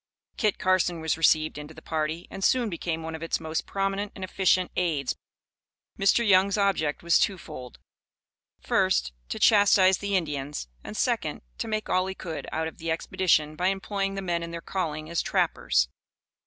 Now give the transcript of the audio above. Kit Carson was received into the party, and soon became one of its most prominent and efficient aids. Mr. Young's object was two fold: first, to chastise the Indians; and, second, to make all he could out of the expedition by employing the men in their calling as trappers.